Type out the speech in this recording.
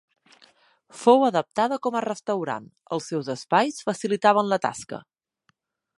Fou adaptada com a restaurant; els seus espais facilitaven la tasca.